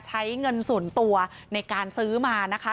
ใช้เงินส่วนตัวในการซื้อมานะคะ